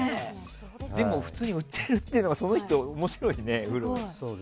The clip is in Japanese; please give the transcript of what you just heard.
でも普通に売ってるというのは面白いね。